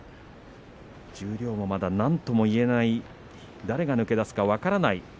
十両もまだなんとも言えない誰が抜け出すか分からない